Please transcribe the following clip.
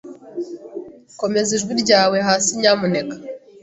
Komeza ijwi ryawe hasi, nyamuneka.